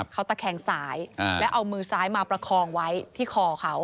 เขาตะแคงซ้ายแล้วเอามือซ้ายมาประคองไว้ที่คอเขา